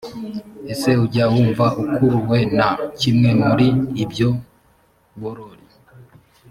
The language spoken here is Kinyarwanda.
ese ujya wumva ukuruwe na kimwe muri ibyo boroli